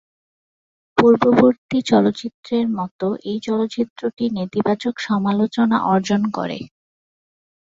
পূর্ববর্তী চলচ্চিত্রের মত এই চলচ্চিত্রটি নেতিবাচক সমালোচনা অর্জন করে।